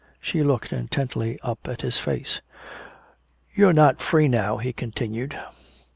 She looked intently up at his face. "You're not free now," he continued.